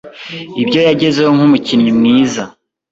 Ibyo yagezeho nk’umukinnyi mwiza